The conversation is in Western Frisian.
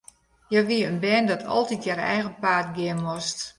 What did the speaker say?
Hja wie in bern dat altyd har eigen paad gean moast.